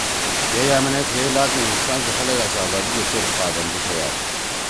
کے یأمینے تھیئے لات می ہندوستان سی خلگَا سی آزادی زید چیر پابندی ݜیأد